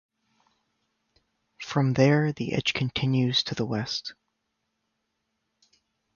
From there the edge continues to the west.